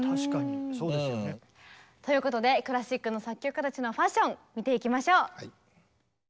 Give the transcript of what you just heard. そうですよね。ということでクラシックの作曲家たちのファッション見ていきましょう！